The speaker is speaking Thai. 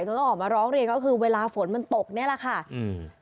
ต้องออกมาร้องเรียนก็คือเวลาฝนมันตกเนี้ยแหละค่ะอืม